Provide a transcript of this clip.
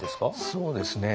そうですね。